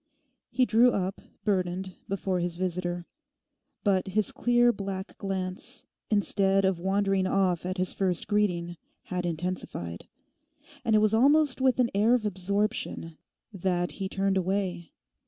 He drew up, burdened, before his visitor. But his clear black glance, instead of wandering off at his first greeting, had intensified. And it was almost with an air of absorption that he turned away.